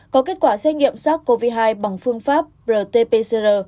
có kết quả xét nghiệm sars cov hai bằng phương pháp rt pcr